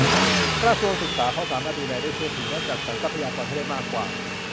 กระทรวงศึกษา เพราะสามารถดูแลได้ทั่วถึง และ จัดสรรทรัพยากรให้ได้มากกว่า